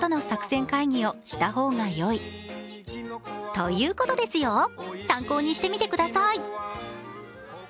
ということですよ、参考にしてみてください。